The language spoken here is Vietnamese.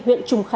huyện trùng khải